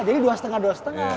jadi dua setengah dua setengah